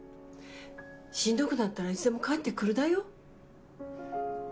しんどくなったらいつでも帰ってくるだよ。